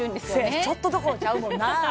せやちょっとどころちゃうもんな